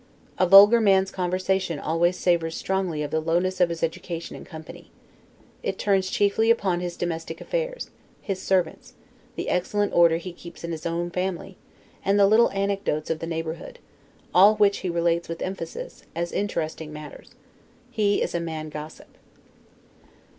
A vulgar man's conversation always savors strongly of the lowness of his education and company. It turns chiefly upon his domestic affairs, his servants, the excellent order he keeps in his own family, and the little anecdotes of the neighborhood; all which he relates with emphasis, as interesting matters. He is a man gossip.